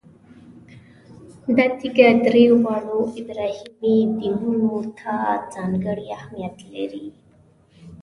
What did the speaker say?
دا تیږه درې واړو ابراهیمي دینونو ته ځانګړی اهمیت لري.